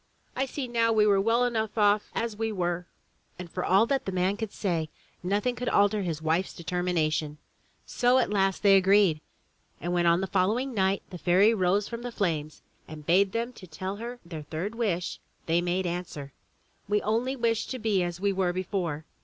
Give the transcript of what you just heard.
I see now we were well enough off as we were!" And for all that the man could say, nothing could alter his wife's determination. So at last they agreed, and when on the following night the Fairy rose from the flames and bade them tell her their third wish, they made answer: "We wish only to be as we were before."